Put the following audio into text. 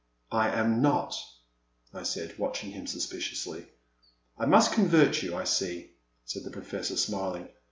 ' I am not, I said, watching him suspiciously. I must convert you, I see, said the Professor, smiling.